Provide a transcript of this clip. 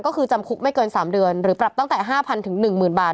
ก็คือจำคุกไม่เกิน๓เดือนหรือปรับตั้งแต่๕๐๐๑๐๐บาท